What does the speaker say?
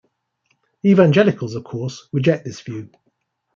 Evangelicals, of course, reject this view.